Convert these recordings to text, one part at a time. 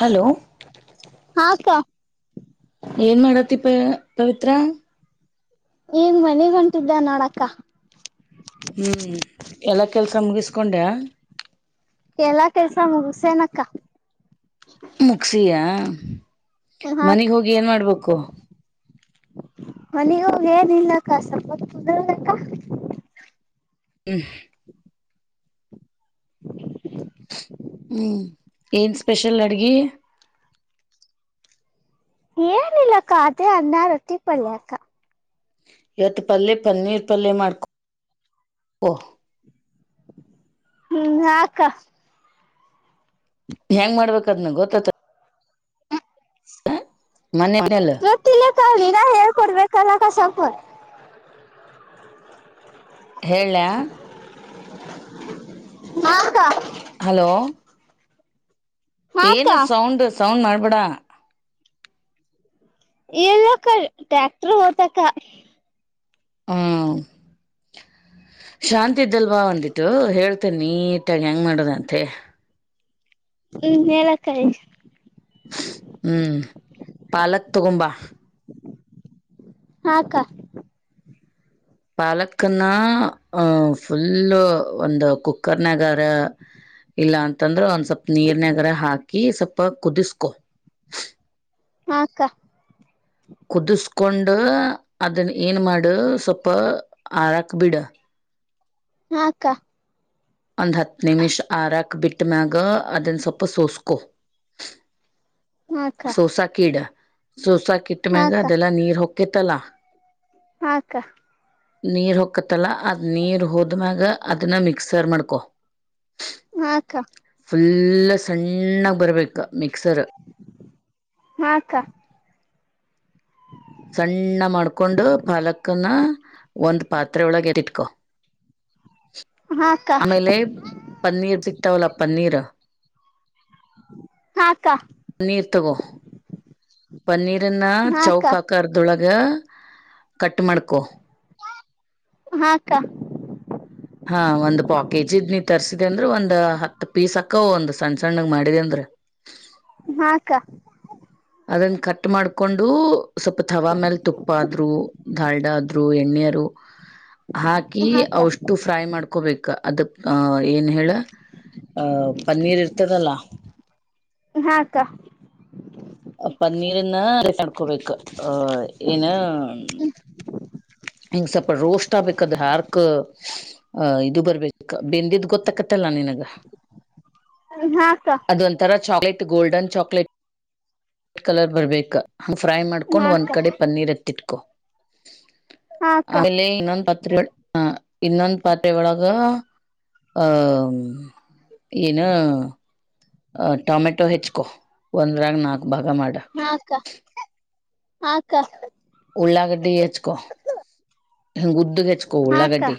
Hello ಹಾಕ್ಕ ಏನ್ ಮಾಡತಿ ಅಪ್ಪಿ ಪವಿತ್ರ ಈಗ ಮನೆಗೆ ಹೊಂಟಿದ್ದೆ ನೋಡಕ್ಕ ಹ್ಞೂ ಎಲ್ಲ ಕೆಲಸ ಮುಗಿಸಿ ಕೊಂಡ್ಯಾ ಎಲ್ಲಾ ಕೆಲಸ ಮುಗಿಸಿ ಏನಕ್ಕಾ ಮುಕ್ಸಿಯಾ ಅಕ್ಕ ಮನೆ ಹೋಗಿ ಏನು ಇಲ್ಲ ಅಕ್ಕ ಸ್ವಲ್ಪ ಅಂರುವುದು ಅಕ್ಕ ಹ್ಮ್ [unintelligible] ಹ್ಮ್ ಏನ್ ಸ್ಪೆಷಲ್ ಅಡುಗೆ ಏನು ಇಲ್ಲ ಕಾವ್ಯ ಅಣ್ಣ ರೊಟ್ಟಿ ಪಲ್ಯ ಅಕ್ಕ ಇವತ್ತು ಪಲ್ಯ ಪನ್ನೀರ್ ಪಲ್ಯ ಮಾಡ್ಕೊ ಹ್ಮ್ ಆಕ್ಕ ಹೆಂಗ್ ಮಾಡಬೇಕಾದ್ನಾ ಗೊತ್ತಾಯ್ತಾ ಹ್ಮ ಮನೆಲ್ಲ ಗೊತ್ತಿಲ್ಲಕ್ಕ ನೀನೇ ಹೇಳಿಕೊಡಬೇಕಲ್ಲ ಸ್ವಲ್ಪ ಹೇಳಳ್ಳ ಹಕ್ಕ ಹಲೋ ಏನ ಹಾಕ್ಕ ಸೌಂಡು ಸಾಂಗ್ ಮಾಡಬೇಡ ಇಲ್ಲ ಅಕ್ಕ ಟ್ಯಾಕ್ಟರ್ ಅಕ್ಕ ಹ್ಮ್ [inaudible] ಶಾಂತಿ ಇದ್ದಿಲ್ವ ಒಂದು ಏಟು ಹೇಳ್ತೀನಿ ಏನು ಮಾಡೋದು ಅಂತ ಹೇಳಿ ಹ್ಮ್ ಹೇಳಕ್ಕ ಹ್ಮ್ ಪಾಲಕ್ ತಗೊಂಬಾ ಹಾಕ್ಕ ಪಾಲಕನ ಫುಲ್ಲು ಒಂದು ಕುಕ್ಕರ್ ನಗರ ಇಲ್ಲ ಅಂತಂದ್ರ ಒಂದ ಸ್ವಲ್ಪ ನೀರ್ನಗರ ಹಾಕಿ ಸ್ವಲ್ಪ ಕುದಿಸ್ಕೊ ಇಲ್ಲಪ್ಪ ಅಂದ್ರೆ ಸ್ವಲ್ಪ ನೀರಾಗಿ ಕುದುಸ್ಕೊ ಹಕ್ಕ ಕುದಿಸಕೊಂಡ ಅದನ್ ಏನ್ ಮಾಡ ಸ್ವಲ್ಪ ಹರಾಕ್ ಬಿಡ ಹಾಕ್ಕ ನಿಶಾ ಆರೋಗ್ಯ ಬಿಟ್ಟು ಮೇಲೆ ಸ್ವಲ್ಪ ಸೋಸಿಕೋ [inaudible] ಸೋಸಾ ಕೀಡ ಸೋಸಾ ಕಿಟ್ಟ ಮ್ಯಾಗ ಹಾಕ್ಕ ಅದೆಲ್ಲ ನೀರ್ ಹೊಕ್ಕತ್ತಲ್ಲ ಹಕ್ಕ ನೀರ್ ಹಕತ್ತಲ್ಲ ಅದ್ ನೀರ್ ಹೋದ್ಮ್ಯಾಗ ಅದನ್ನ ಮಿಕ್ಸರ್ ಮಾಡ್ಕ ಕ ಹಾಕ್ಕ ಫುಲ್ಲ ಸಣ್ಣಾಗಿ ಬರಬೇಕು ಮಿಕ್ಸರ್ ಹಾಕ್ಕ [inaudible] ಸಣ್ಣ ಮಾಡ್ಕೊಂಡು ಪಾಲಕನ ಒಂದ್ ಪಾತ್ರೆ ಒಳಗ ಎತ್ತಿಟ್ಕೊ ಹಾಕ್ಕ ಆಮೇಲೆ ಪನ್ನೀರ್ ಸಿಕ್ತಾವಲ್ಲ ಪನ್ನೀರ್ ಹ ಹಕ್ಕ ಪನ್ನೀರ್ ತಗೋ ಪನ್ನೀರನ್ನ ಹಾಕ್ಕ ಚೌಕ ಹಾಕ್ ಕರ್ದೊಳಗೆ ಕಟ್ ಮಾಡ್ಕೊ ಹಾಕ್ಕ ಹಾ ಒಂದ್ ಪಾಕೇಜ ಇದ್ ನೀ ತರ್ಸಿದೆ ಅಂದ್ರ ಒಂದ್ ಹತ್ ಪೀಸ್ ಅಕ್ಕ ಒಂದ್ ಸಣ್ಣ ಸಣ್ಣ ಮಾಡಿದೆ ಅಂದ್ರ ಹಾಕ್ಕ ಅದನ್ನ ಕಟ್ ಮಾಡ್ಕೊಂಡು ಸ್ವಲ್ಪ ತವಾ ಮೇಲ್ ತುಪ್ಪ ಆದ್ರು ದಧಾಲ್ಡ ಆದ್ರು ಎಣ್ಣೆಯರು ಹ್ಮ ಹಾಕಿ ಅವಷ್ಟು ಫ್ರೈ ಮಾಡ್ಕೊಬೇಕ ಅದ ಅ ಏನ್ ಹೇಳ ಅ ಪನ್ನೀರ್ ಇರ್ತದಲ್ಲ ಹಾಕ್ಕಾ ಪನ್ನೀರನ್ನ ಮಾಡಡ್ಕೋಬೇಕು ಆಹ ಏನ ಇಂಗಸಪ ರೋಸ್ಟ್ ಆಬಕಧಾರಕ ಆ ಇದು ಬರ್ಬೇಕ ಬೆಂದಿದ್ ಗೊತ್ತಕತ್ತಲ್ಲ ನಿನಗ ಹಾಸ ಅದೊಂಂತರಾ ಚಾಕ್ಲೇಟ್ ಗೋಲ್ಡನ್ ಚಾಕ್ಲೇಟ್ ಕಲರ್ ಬರ್ಬೇಕ ಹ ಫ್ರೈ ಮಾಡ್ಕೊಂಡ್ ಒಂದ್ ಹಾಕ್ಕ ಕಡೆ ಪನ್ನೀರ್ ಹತ್ತಿಟ್ಕೊ ಹಾಕ್ಕ ಹಾಕ್ಕ ಆೇಲೆ ಇನ್ನೊಂದು ಪಾತ್ರೆ ಇನ್ನೊಂದು ಪಾತ್ೆಯೊಳಗ ಆಹ ಏನ ಅ ಟೊಮೆಟೊ ಹೆಚ್ಕೊ ಒಂದ್ರಾಗ ನಾಕ್ ಭಾಗ ಮಾಡ ಹಾಕ್ಕ ಹಕ್ಕ ಉಳ್ಳಾಗಡ್ಡಿ ಹೆಚ್ಕೊ ಹಂಗ ಗುದ್ದ ಹೆಚ್ಕೊ ಹಾಕ್ಕ ಉಳ್ಳಾಗಡ್ಡಿ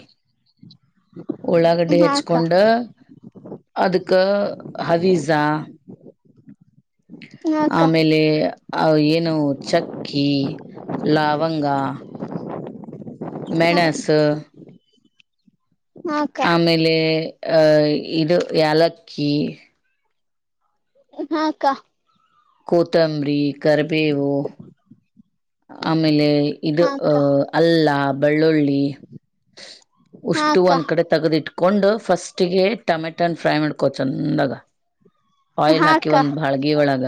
ಉಳ್ಳಾಗಡ್ಡಿ ಹಾಕ್ಕ ಹಾಕ್ಕ ಹೆಚ್ಕೊಂಡ ಅದಕ್ಕೆ ಹವೀಜಾ ಹಾಕ್ಕ ಆಮೇಲೆ ಅ್ ಏನು ಚಕ್ಕಿ ಲವಂಗ ಮೆಣಸ ಹ ಆಮೇಲೆ ಅಹ ಇದು ಯಾಲಕ್ಕಿ ಹಾಕ್ಕಾ ಕತಂಬ್ರಿ ಕಬೇವೋ ಆಮೇಲೆ ಇದು ಹಾಕ್ಕ ಅಹ ಅಲ್ಲ ಬೆಳ್ಳುಳ್ಳಿ ಉಷ್ಟು ಹಾಕ್ಕ ಒಂದ್ ಕಡೆ ತಗದಿಟ್ಕೊಂಡು ಫಸ್ಟ ಟಮೆಟನ್ ಫ್ರೈ ಮಾಡ್ಕೋ ಚಂದಾಗ ಆಯಿಲ್ ಹಾಕಿ ಒಂದು್ ಬಾಳ್ಗ ಒಳಗ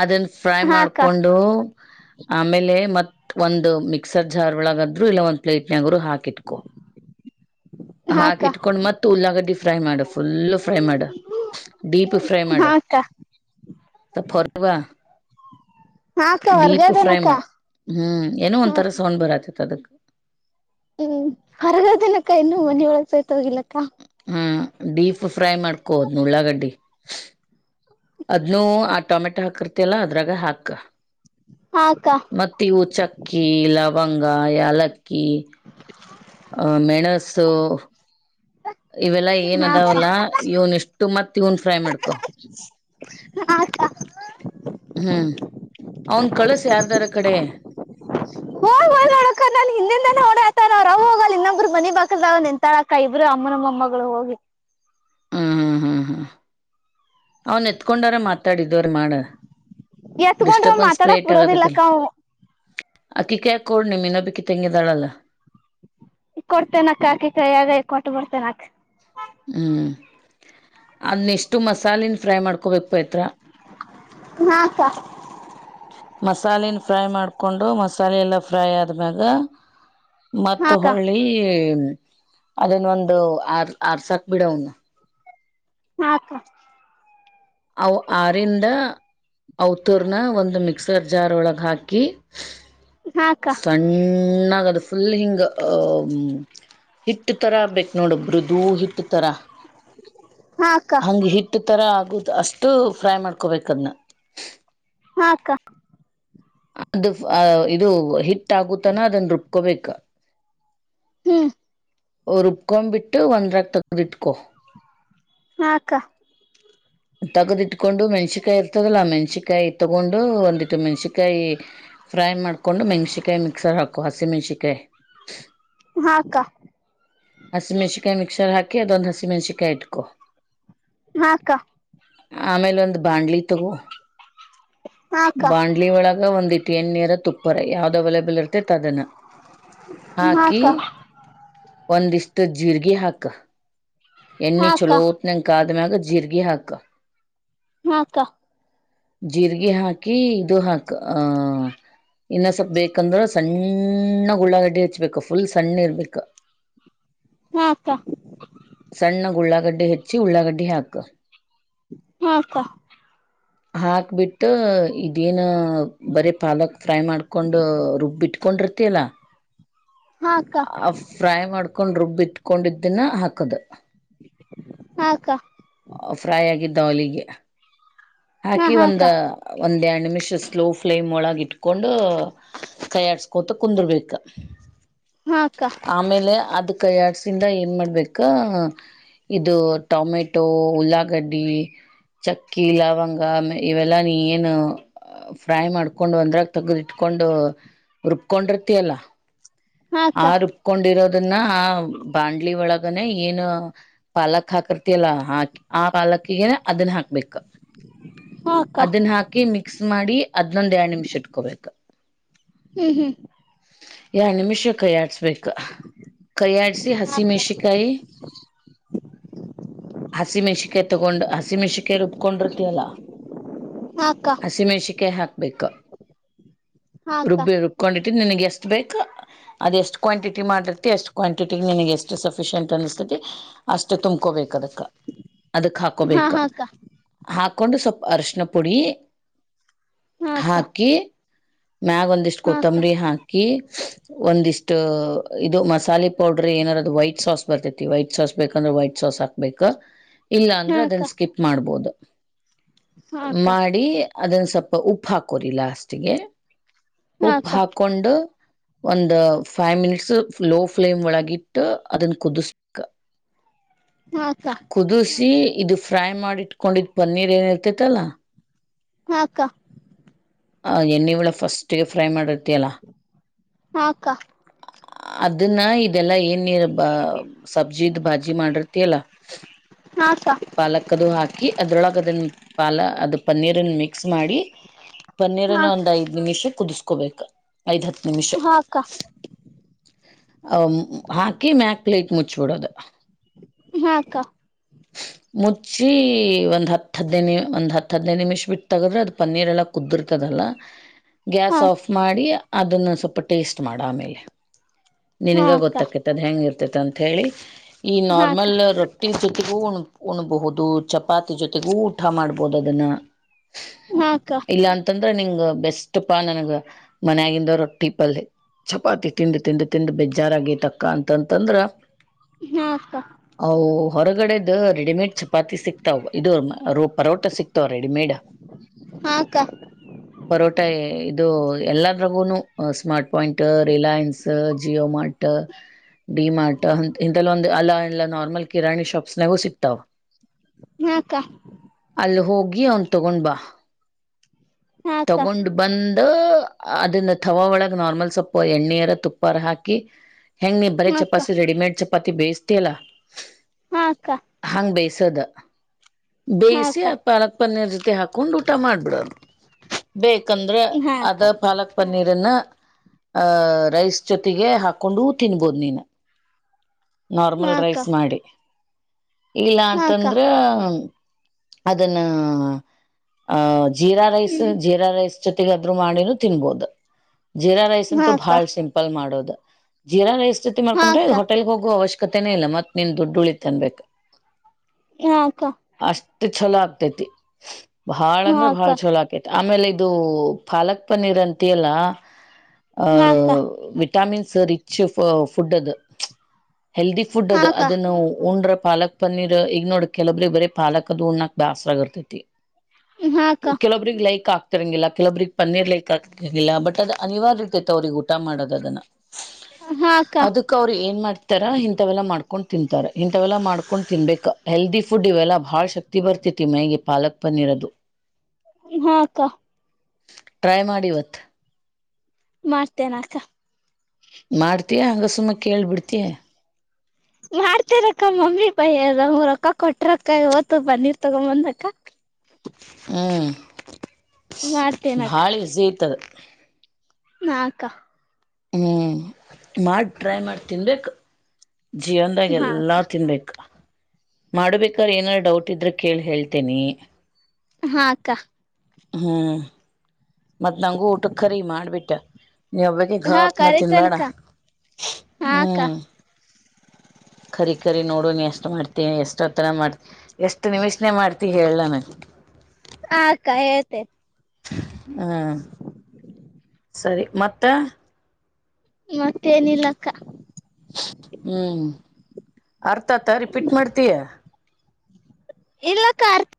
ಅದನ್ನ ಫ್ರೈ ಮಾಡ್ಕೊಂಡು ಆಮೇಲೆ ಮತ್ ಒಂದ್ ಮಿಕ್ಸರ್ ಜಾರ್ ಒಳಗಾದ್ರು ಇಲ್ಲ ಒಂದ್ ಪ್ಲೇಟ್ನ್ಗರು ಹಾಕಿಟ್ಕೊ ಹಾಕಕ್ ಹಾಕ್ಕ ಹಾಕ್ಕ ಇಟ್ಕೊಂಡ್ ಮತ್ ಉಳ್ಳಾಗಡ್ಡಿ ಫ್ರೈ ಮಾಡ ಫುಲ್ ಫ್ರೈ ಮಾಡ ಡೀಪ್ ಫ್ರೈ ಮಾಡ ಹಾಕ್ಕ ಸ್ಲ್ಪ ಹೊರವಾ ನಾಕ್ಕ ಡೀಪ್ ಫ್ರೈ ಹೊರ್ಗೇದೇನಕ್ಕ ಮಾಡ ಹ್ಮ್ ಏನೋ ಒಂ ಸೋೊಂಡ್ ಬರಾತ್ತತ್ ಅದಕ್ ಹ್ಮ್ ಅರ್ಗ ದಿನಕ್ಕ ಇನ್ನು ಮನ ಒಳಗ್ಸೈ್ತ ಹೋಗಿಿಲ್ಲಕ್ಕ ಹ್ಮ್ ಡೀಪ್ ಫ್ರೈ ಮಾಡ್ಕೋದು್ ನಳ್ಳಾಗಡ್ಡಿ ಅದ್ನು ಆ ಟೊಮೆಟೊ ಹಾಕರ್ತಿಯಲ್ಲ ಅದ್ರಾಗ ಹಾಕ್ ಹಾಕ್ಕ ಮತ್ತ ಇವು ಚಕ್ಕಿ ಲವಂಗ ಯಲಕ್ಕಿ ಮೆಣಸ ಇವೆಲ್ಲಾ ಏನ್ ಹಾಕ್ಕ ಅದಾವಲ್ಲ ಇವ್ನ್ ಇಷ್ಟು ಮತ್ ಇವನ್ ಫ್ರೈ ಮಾಡ್ಕೊ ಆಯತಾ ಹ್ಮ್ ಅವನ್ ಕಳಸ ಯಾರ್ದಾರ ಕಡೆ ಹೋಗ ಹಿಂದ ಹೊಡ ಹತಾರ ಅವೋಗ ಲ್ಲಿ ಇನ್ನೊಬ್ರು ಮಿ ಬಾಕದೆಂತಾಳಕ್ಕ ಇಬ್ರು ಅಮ್ಮನಮ್ಮಗಳು ಹೋಗಿ ಹ್ಮ್ ಹ್ಮ್ ಹ್ಮ್ ಹ್ಮ್ ಅವನ್ ಎತ್ಕೊಂಡಾರ ಮಾತಾಡಿದವ್ರ ಮಾಡ ಎತ್ಕೊಂಡ್ರ ಡಿಸ್ಟರ್ಬನ್ಸ್ ಮಾತಾಡಕ್ ಕ್ರಿಯೇಟ್ ಬಿಡೋದಿಲ್ಲಕ್ಕ ಆಗತ್ತತಿಲ್ಲ ಅವು ಅಕ್ಕಿಿಕ್ಯಾಕೋಡ್ ನಿ ಮನ್ನೊ ಬಿಕ್ಕಿ ತೆಂಗಿದಾಳಲ್ಲ ಕೊಡ್ತೇನಕ್ಕ ಆಕಿ ಕೈಯಾಗ ಕೊಟ್ಟುಬಡ್ತೇನಕ್ ಹ್ಞೂ ಅದನ್ನ ಎಷ್ಟು ಮಸಾಲಿನ ಫ್ರೈ ಮಾಡ್ಕೋಬೇಕು ಪಾಯತ್ರ ಹಾಕ್ಕ ಮಸಾಲೆನ ಫ್ರೈ ಮಾಡ್ಕೊಂಡು ಮಸಾಲೆ ಎಲ್ಲ ಫ್ರೈ ಆದ್ಮ್ಯಾಗ ಮ ಹಾಕ ಹಳ್ಳಿ ಅದನ್ನ ಒಂದು ಆರ್ ಆರ್ ಸಾಕ್ ಬಿಡ ಅವನು ಹಾಕ ಅ ಆರಿಂದ ಅವತರ್ನ ಒಂದು ಮಿಕ್ಸರ್ ಜಾರ್ ಒಳಗ ಹಾಕಿ ಹಾಕ್ಕ ಹ್ಣಾಗದು ಫುಲ್ ಹಿಂಗ ಹಿಟ್ ತರಗ್ ಬು ನೋಡಬ್ಬ್ರದುೂ ಹಿಟ್ ತರ ಹಾಕ ಹಂಗ ಹಿಟ್ ಎಷ್ಟ ತರ ಆಗುದ ಅಷ್ಟು ಫ್ರೈ ಮಾಡ್ಕೊಬೇಕ ಅದನ್ನ ಹಾಕ್ಕ ಅದು ಇದು ಹಿಟ್ ಆಗುತ್ತಾನ ಅದನ್ನ ರುಬ್ಕೋಬೇಕ ಹ್ಮ್ ್ರುಬ್ಕೊಂಡ್ಬ ಬಿಟ್ಟು ಒಂದ್ರಕ್ ತಗದ್ ಇಟ್ಕೊ ಹಾಕ್ಕ ತಗ್ದಿ ಇಟ್ಕೊಂಡು ಮೆಣಸನ್ಕಾಯಿ ಇರ್ತದಲ್ಲಾ ಮೆಣಸಕಾಯಿ ತಗೊಂಡು ಒಂದಿಟ್ಟು ಮೆಣಸಕಾಯಿ ಕಾಯಿ ಫ್ರೈ ಮಾಡ್ಕೊಂಡು ಮೆಣ್ಸಕಾಯಿ ಮಿಕ್ಸರ್ ಹಾಕು ಹಸಿ ಮೆಣ್ಸನ್ಕಾಯಿ ಹಾಕ್ಕಾ ಹಸಿಮೆಣಸನ್ಯಿಕ್ಸ ಹಾಿ ಅದೊ್ ಹಸಿ ಮೆಣಸನ್ಾಯಿ ಇಕೋ ಹಾಕ್ಕ ಆಮೇಲೆ ಒಂದ್ ಬಾಂಡ್ಲಿ ತಗೋ ಹಾಕ ಬಾಣ್ಲಿ ಒಳಗ ಒಂದ್ ಇಟ್ಟ ಎಣ್ಣೀರ ತುಪ್ಪಾರ ಯಾವ್ದ ಅವೈಲೇಬಲ್ ಇರುತ್ತೆ ಅದನ್ನು ಹಾಕಿ ಹಾಕ ಒಂದಿಷ್ಟ ಜೀರ್ಗಿ ಹಾಕ ಎಣ್ಣಿ ಚಲೋ ಹಾಕ ಎಣ್ಣಿ ಕಾದ ಮ್ಯಾಗ ಜೀರ್ಗಿ ಹಾಕ ಹಾ ಅಕ್ಕ ಜೀರ್ಗಿ ಹಾಕಿ ಇದು ಹಾಕ್ ಆ ಇನ್ನ ಸ್ವಲ್ಪ್ ಬೇಕಂದ್ರ ಸಣ್ಣ ಉಳ್ಳಾಗಡ್ಡಿ ಹೆಚ್ಬೇಕು ಫುಲ್ ಸಣ್ಣ ಇರ್ಬೇಕು ಹಾ ಅಕ್ಕಾ ಸಣ್ಣಗ ಉಳ್ಳಾಗಡ್ಡಿ ಹೆಚ್ಚಿ ಉಳ್ಳಾಗಡ್ಡಿ ಹಾಕ ಹಾ ಅಕ್ಕ ಹಾಕ್ಬಿಟ್ಟ ಇದೇನ ಬರೀ ಪಾಲಕ್ ಫ್ರೈ ಮಾಡ್ಕೊಂಡ್ ರುಬ್ಬಿಟ್ಟ ಕೊಂಡಿರ್ತಲ್ಲಾ ಹಾ ಅಕ್ಕಾ ಫ್ರೈ ಮಾಡ್ಕೊಂಡ್ ರುಬ್ಬಿ ಇಟ್ಕೊಂಡಿದ್ದಿನ ಹಾಕುದ ಹಾ ಅಕ್ಕಾ ಫ್ರೈ ಆಗಿದ್ದ ಅವಲಿಗೆ ಹಾಕಿ ಒಂದ ಹಾಕ ಒಂದ್ ಎರಡು ನಿಮಿಷ ಸ್ಲೋ ಫ್ಲೇಮ್ ಒಳಗ ಇಟ್ಕೊಂಡು ಕೈಯಾರ್ಸ್ ಕೂತ ಕುಂದರ್ಬೇಕ ಹಾಕ ಹಾಕ ಆಮೇಲೆ ಅದು ಕೈಯಾಡ್ಸಿಂದ ಏನು ಮಾಡಬೇಕ ಇದು ಟೊಮೆಟೊ ಉಲ್ಲಾಗಡ್ಡಿ ಚಕ್ಕಿ ಲವಂಗ ಹಿಂಗ ಇವೆಲ್ಲಾ ನೀ ಏನು ಫ್ರೈ ಮಾಡ್ಕೊಂಡು ಒಂದ್ರಾಗ ತಗ್ದ್ ಇಟ್ಕೊಂಡು ರುಬ್ಕೊಂಡಿರ್ತಿಯಲ್ಲಾ ಆ ರುಬ್ಕೊಂಡಿರೋದನ್ನ ಆ ಬಾಂಡ್ಲಿ ಒಳಗ ಅದನೇ ಏನು ಪಾಲಕ್ ಹಾಕರ್ತಿಯಲ್ಲ ಹಾಕಿ ಆ ಪಾಲಕ್ಕಿಗೆ ಅದನ್ನ ಹಾಕ್ಬೇಕ ಹಾಕ ಅದನ್ನ ಹಾಕಿ ಮಿಕ್ಸ್ ಮಾಡಿ ಅದ್ನೊಂದ ಎರಡ್ ನಿಮಿಷ ಇಟ್ಕೋಬೇಕು ಹ್ಮ್ ಹ್ಮ್ ಎರಡ ನಿಮಿಷ ಕೈಯ ಆಡ್ಸ್ ಬೇಕು ಕಯ್ಯಾಡ್ಸಿ ಹಸಿ ಹಾಕ ಮೆಣಸಿಕಾಯಿ ಹಸಿ ಮೆಣಸಿಕೆ ತಗೊಂಡ್ ಹಸಿ ಮೆಣಸಿಕೆ ರುಬ್ಬಕೊಂಡ್ರ ತಿಯಲ್ಲ ಹಾ ಅಕ್ಕ ಹಸಿಮೆಣಸಿಕಾಯ ಹಾಕ್ಬೇಕ ಹಾ ಅಕ್ಕ ರುಬ್ಬಿ ರುಬ್ಕೊಂಡಿಟ್ಟ್ ನಿನ್ಗೆ ಎಷ್ಟು ಬೇಕ ಅದ ಎಷ್ಟು ಕ್ವಾಂಟಿಟಿ ಮಾಡಿರ್ತಿ ಎಷ್ಟು ಕ್ವಾಂಟಿಟಿ ನಿನಗೆ ಎಷ್ಟ ಸಫಿಶಿಯೆಂಟ್ ಅನ್ಸ್ತತಿ ಅಷ್ಟು ತುಂಬ್ಕೊಬೇಕ ಅದಕ್ಕ ಅದಕ್ ಹಾ ಹಾಕೋಬೇಕ ಹಾ ಅಕ್ಕ ಹಾಕೊಂಡು ಸ್ವಲ್ಪ ಅರಶಿನ ಪುಡಿ ಹಾಕಿ ಮ್ಯಾಗ ಒಂದಿಷ್ಟ್ ಹಾ ಅಕ್ಕ ಕೊತ್ತಂಬರಿ ಹಾಕಿ ಒಂದಿಷ್ಟ ಇದು ಮಸಾಲೆ ಪೌಡರ್ ಏನಾರದು ವೈಟ್ ಸಾಸ್ ಬರ್ತೈತಿ ವೈಟ್ ಸಾಸ್ ಬೇಕಂದ್ರೆ ವೈಟ್ ಸಾಸ್ ಹಾಕ್ಬೇಕ ಇಲ್ಲ ಹಾ ಅಂದ್ರೆ ಅಕ್ಕ ಅದನ್ನ ಸ್ಕಿಪ್ ಮಾಡ್ಬೋದು ಹಾ ಅಕ್ಕ ಮಾಡಿ ಅದನ್ ಸ್ವಲ್ಪ ಉಪ್ಪ ಹಾಕೋರಿ ಲಾಸ್ಟ್ ಗೆ ಹಾ ಉಪ್ಪು ಅಕ್ಕ ಹಾಕೊಂಡು ಒಂದ್ ಫೈವ್ ಮಿನಿಟ್ಸ್ ಲೋ ಫ್ಲೇಮ್ ಒಳಗಿಟ್ಟ ಅದನ್ನ ಕುದಿಸ್ಬೇಕ ಹಾ ಅಕ್ಕಾ ಕುದಸಿ ಇದು ಫ್ರೈ ಮಾಡಿ ಇಟ್ಕೊಂಡಿದ್ ಪನ್ನೀರ್ ಏನಿರ್ತೈತಲ್ಲಾ ಹಾ ಅಕ್ಕಾ ಎಣ್ಣೆವಳ ಫಸ್ಟಿಗೆ ಫ್ರೈ ಮಾಡಿರ್ತಯಲ್ಲಾ ಹಾ ಅಕ್ಕಾ ಅದನ್ನ ಇದೆಲ್ಲಾ ಏನ್ರ್ ಬ ಸಬ್ಜಿದ ಬಾಜಿ ಮಾಡಿರ್ತಿಯಲ್ಲಾ ಹಾ ಅಕ್ಕಾ ಪಾಲಕ್ದು ಹಾಕಿ ಅದ್ರೊಳಗ ಅದನ್ನ ಪಾಲ ಅದು ಪನ್ನೀರ್ ನ್ನ ಮಿಕ್ಸ್ ಮಾಡಿ ಪನ್ನೀರನ ಒಂದ್ ಐದ್ ನಿಮಿಷ ಕುದಿಸ್ಕೋಬೇಕ ಐದ್ ಹತ್ತು ನಿಮಿಷ ಹಾ ಅಕ್ಕ ಅ ಹಾಕಿ ಮ್ಯಾಕ್ ಪ್ಲೇಟ್ ಮುಚ್ಬಿಡೋದು ಹಾ ಅಕ್ಕಾ. ಮುಚ್ಚಿ ಒಂದ ಹತ್ತು ಹದಿನೈ ನಿಮ ಒಂದ ಹತ್ತು ಹದನೈದ ನಿಮಿಷ ಬಿಟ್ಟು ತಗದ್ರ ಅದು ಪನ್ನೀರ್ ಎಲ್ಲ ಕುದಿರ್ತದಲ್ಲ [inaudible] ಗ್ಯಾಸ್ ಆಫ್ ಮಾಡಿ ಅದನ್ನು ಸ್ವಲ್ಪ ಟೇಸ್ಟ್ ಮಾಡು ಆಮೇಲೆ ನಿನಗ ಗೊತ್ತಾಗ್ತೈತಿ ಅದ್ ಹೆಂಗ ಇರ್ತೀತೆ ಅಂತ ಹೇಳಿ ಈ ನಾರ್ಮಲ್ ರೊಟ್ಟಿ ಸುತ್ತಗೂ ಉಣ ಬಹುದು ಚಪಾತಿ ಜೊತೆಗೂ ಊಟ ಮಾಡ್ಬಹುದು ಅದನ್ನ ಹಾ ಅಕ್ಕಾ ಇಲ್ಲ ಅಂತಂದ್ರೆ ನಿಂಗ ಬೆಸ್ಟ್ ಪಾ ನನ್ಗ ಮನ್ಯಾಗಿಂದ ರೊಟ್ಟಿ ಪಲ್ಲೆ. ಚಪಾತಿ ತಿಂದು ತಿಂದು ತಿಂದು ಬೇಜಾರಾಗಿ ತಕ್ಕಾ ಅಂತಂತಂದ್ರ ಹಾ ಅಕ್ಕಾ ಅವು ಹೊರಗಡೆದ ರೆಡಿಮೇಡ್ ಚಪಾತಿ ಸಿಕ್ತಾವ ಇದು ರ ಪರೋಟ ಸಿಕ್ತಾವ ರೆಡಿಮೇಡ್ ಹಾ ಅಕ್ಕಾ ಪರೋಟೆ ಇದು ಎಲ್ಲದ್ರಗುನು smart point Reliance Jio mart D mart ಹಿಂತಲಿ ಒಂದ ಅಲ್ಲ ಈಲ್ಲ ನಾರ್ಮಲ್ ಕಿರಾಣಿ ಶಾಪ್ಸ್ ನಾಗು ಸಿಕ್ ಕ್ತಾವ ಹಾ ಅಕ್ಕಾ. ಅಲ್ಲಿ ಹೋಗಿ ಅವನ್ ತಗೊಂಡ್ಬಾ ಹಾ ಅಕ್ಕ ಹಾ ಅಕ್ಕ ತಗೊಂಡ್ ಬಂದ ಅದನ್ನ ತವಾ ಒಳಗ ನಾರ್ಮಲ್ ಸ್ವಲ್ಪ ಎಣ್ಣಿಯರ ತುಪ್ಪಾಅರಾ ಹಾಕಿ ಹೆಂ ನೀ ಬರೆ ಚಪಾತಿ ರೆಡಿಮೇಡ್ ಚಪಾತಿ ಬೇಯಿಸ್ಟೀಯಲ್ಲಾ ಹಾ ಹಾ ಅಕ್ಕಾ ಹಂಗ್ ಬೇಯ್ಸದ ಬೇಯಿಸಿ ಅಕ್ಕ ಹಾ ಅಕ್ಕ ಹಾ ಪಾಲಕ್ ಪನ್ನೀರ್ ಜೊತೆ ಹಾಕೊಂಡ್ ಊಟ ಮಾಡಿಬಿಡೋದ ಬೇಕಂದ್ರೆ ಅದ ಅಕ್ಕ ಪಾಲಕ್ ಪನ್ನಿರನ್ನ ಅಹ ರೈಸ್ ಜೊತೆಗೆ ಹಾಕೊಂಡು ತಿನ್ಬೋದ ನೀನು ನಾರ್ಮಲ್ ರೈಸ್ ಮಾಡಿ ಇಲ್ಲ ಹಾ ಅಕ್ಕ ಅಂತಂದ್ರ ಅದನ್ನ ಅ ಜೀರಾ ರೈಸ್ ಹಾ ಜೀರಾ ರೈಸ್ ಜೊತೆ ಅದನು ಮಾಡಿನೂ ತಿನ್ಬಹುದು ಜೀರಾ ರೈಸ್ ಅಂತೂ ಭಾಳ್ ಸಿಂಪ ಲ್ ಮಾಡೋದು ಜೀರಾ ರೈಸ್ ಗತಿ ಮಾಡ್ಕೊಂಡ್ರ ಹೋಟೆಲ್ಗೆ ಹೋಗುವ ಅವಶ್ಯಕ ಕತೆನೇ ಇಲ್ಲ ಮತ್ ನೀನ್ ದುಡ್ಡು ಉಳಿತ ಅನ್ಬೇಕ್ ಹಾ ಅಕ್ಕಾ. ಅಷ್ಟ್ ಚಲೋ ಆಗ್ತೇತಿ ಬಾಳ ಅಂದ್ರ ಬಾಳ ಚಲೋ ಆಗ್ತ ತೀತೇ ಆಮೇಲೆ ಇದು ಪಾಲಕ್ ಪನ್ನೀರ್ ಅಂತಿ ಅಲ್ಲಾ ಆ ಹಾ ಅಕ್ಕ ಹಾ ಅಕ್ಕ ಹಾ ಅಕ್ಕ ಹಾ ಅಕ್ಕ ಹಾ ಅಕ್ಕ ಹಾ ಅಕ್ಕ ಹಾ ಅಕ್ಕ ಹಾ ವಿಟಾಮಿನ್ಸ್ ರಿಚ್ ಫುಡ್ ಅದು ಹೆಲ್ದಿ ಫುಡ್ ಅದು ಅಕ್ಕ ಅದನ್ನು ಉಂಡ್ರ ಪಾಲಕ್ ಪನ್ನೀರ್ ಈಗ ನೋಡ ಕೆಲೊಬ್ರಿಗೆ ಬರೇ ಪಾಲಕ ಅದು ಉಣ್ಣಾಕ್ ಬ್ಯಾಸರ ಆಗ ಇರ್ತೈತಿ ಹಾ ಅಕ್ಕಾ ಒಬ್ರಿಗ್ ಲೈಕ್ ಆಗ್ತರಂಗಿಲ್ಲ ಕೆಲೊಬ್ರಿಗೆ ಪನ್ನೀರ್ ಲೈಕ್ ಆಗ್ತರಂಗಿಲ್ಲ ಬಟ್ ಅದು ಅನಿವಾರ್ಯತೆೈತೆ ಅವ್ರಿಗೆ ಊಟ ಮಾಡೋದ ಅದನ್ನ ಹಾ ಅಕ್ಕ ಅದಕ ಅವ್ರ ಏನ್ ಮಾಡ್ತಾರ ಇಂಥವೆಲ್ಲ ಮಾಡ್ಕೊಂಡ್ ತಿಂತಾರ ಇಂಥವೆಲ್ಲ ಮಾಡ್ಕೊಂಡ್ ತಿನ್ಬೇಕ ಹೆಲ್ದಿ ಫುಡ್ ಇವೆಲ್ಲ ಭಾಳ ಶಕ್ತಿ ಬರ್ತೈತಿ ಮೈಗೆ ಪಾಲಕ್ ಪನ್ನಿರದು ಹಾ ಅಕ್ಕ ಟ್ರೈ ಮಾಡ ಇವತ್ತ್ ಮಾಡ್ತೇನ ಅಕ್ಕಾ ಮಾಡ್ತಯ ಹಂಗ ಸುಮ್ಮಾ ಕೇಳ್ಬಿಡ್ತ ಮಾಡ್ತಿರಕ್ಕ ಮಮ್ಮಿ ಬಯ ಎದ ಮೂಊರಕ್ಕ ಕೊಟ್ರಕ್ಕ ಓತ ಬನ್ನಿರ್ ತಗೊಂಬಂದಕ್ಕ ಹ್ಮ್ ಮಾಡ್ತೇನಕ್ಕ ಭಾಳ ಇಝಿ ಇತ್ತದು ನಾಲ್ಕ ಹ್ಮ್ ಮಾಡಿ ಟ್ರೈ ಮಾಡಿ ತಿನ್ಬೇಕು ಜೀವನ್ದಾಗ ಹಾ ಎಲ್ಲಾ ಅಕ್ಕ ತಿನ್ಬೇಕು ಮಾಡ್ಬೇಕಾದ್ರ ಏನಾದಾರ ಡೌಟ್ ಇದ್ರೆ ಕೇಳಿ ಹೇಳ್ತೇನಿ ಹಾ ಅಕ್ಕ ಹ್ಮ್ ಮತ್ತತ್ ನಂಗೂ ಊಟ ಖರಿ ಮಾಡ್ಬಿಟ್ಟ ನೀ ಒಬ್ಬಗ ಘ ಹಾ ಅಪ್ನ ತಿನ್ಬೇಡ ಕರಿತೇನಕ್ಕ ಹಾ ಅಕ್ಕ ಹ್ಮ್ ಕರಿ ಕರಿ ನೋಡಣ ಎಷ್ಟ್ ಮಾಡ್ತ ಎಷ್ಟತರ ಮಾಡ್ತಿ ಎಷ್ಟು ನಿಮಿಷನೆ ಮಾಡ್ತಿ ಹೇಳಲ್ಲ ನನ್ ಹಾ ಅಕ್ಕ ಹೇಳ್ತೇನೆ ಹ್ಮ ಸರಿ ಮತ್ತೆ ಮತ್ತೇನ್ಲ್ಲಕ್ಕ ಹ್ಮ್ ಅರ್ಥತ ರಿಪಿಟ್ ಮಾಡ್ತೀಯಾ ಇಲ್ಲ ಕಾರ್ತಿ